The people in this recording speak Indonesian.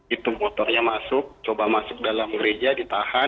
itu motornya masuk coba masuk dalam gereja ditahan